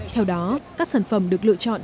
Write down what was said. theo đó các sản phẩm được lựa chọn